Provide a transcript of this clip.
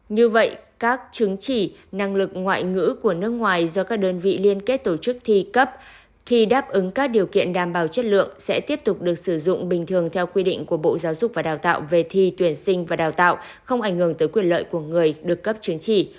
như vậy các chứng chỉ năng lực ngoại ngữ của nước ngoài do các đơn vị liên kết tổ chức thi cấp khi đáp ứng các điều kiện đảm bảo chất lượng sẽ tiếp tục được sử dụng bình thường theo quy định của bộ giáo dục và đào tạo về thi tuyển sinh và đào tạo không ảnh hưởng tới quyền lợi của người được cấp chứng chỉ